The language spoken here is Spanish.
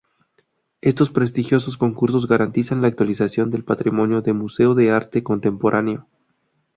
Estos prestigiosos concursos garantizan la actualización del patrimonio de Museo de Arte Contemporáneo.